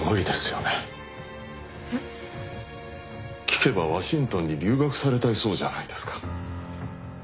聞けばワシントンに留学されたいそうじゃないですか。